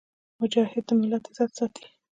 مجاهد د ملت عزت ساتي.